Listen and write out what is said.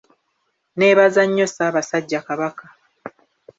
Nneebaza nnyo Ssaabasajja Kabaka.